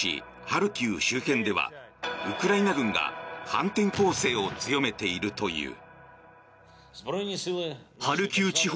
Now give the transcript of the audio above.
ハルキウ周辺ではウクライナ軍が反転攻勢を強めているという。